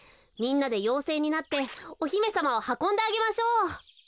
みんなでようせいになっておひめさまをはこんであげましょう。